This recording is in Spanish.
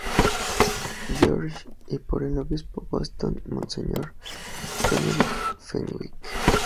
George, y por el obispo de Boston, monseñor Benedict Fenwick.